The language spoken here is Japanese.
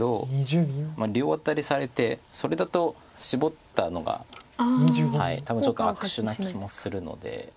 両アタリされてそれだとシボったのが多分ちょっと悪手な気もするので。